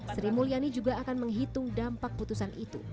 sri mulyani juga akan menghitung dampak putusan itu